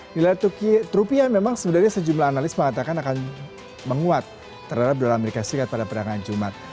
nilai tukar rupiah memang sebenarnya sejumlah analis mengatakan akan menguat terhadap dolar amerika serikat pada perangan jumat